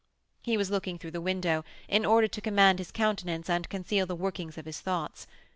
He was looking through the window, in order to command his countenance and conceal the workings of his thoughts.